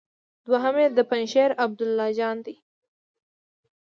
دوهم يې د پنجشېر عبدالله جان دی.